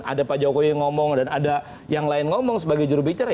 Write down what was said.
ada pak jokowi ngomong dan ada yang lain ngomong sebagai jurubicara